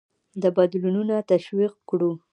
د بدلونونه تشویق کړو.